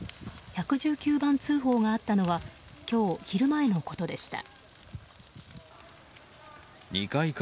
１１９番通報があったのは今日昼前のことでした。